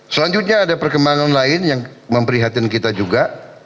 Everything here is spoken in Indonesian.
selanjutnya ada perkembangan lain yang memprihatin kita juga